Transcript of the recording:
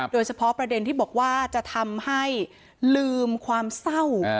โดยเฉพาะประเด็นที่บอกว่าจะทำให้ลืมความเศร้า